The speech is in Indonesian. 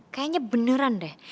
kayaknya beneran deh